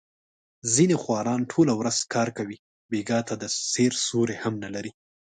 ځنې خواران ټوله ورځ کار کوي، بېګاه ته د سیر سیوری هم نه لري.